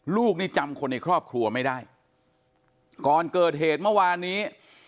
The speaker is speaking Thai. ลูกนี่จำคนในครอบครัวไม่ได้ก่อนเกิดเหตุเมื่อวานนี้